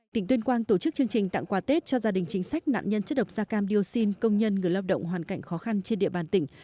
tỉnh tuyên quang tổ chức chương trình tặng quà tết cho gia đình chính sách nạn nhân chất độc da cam dioxin công nhân người lao động hoàn cảnh khó khăn trên địa bàn tỉnh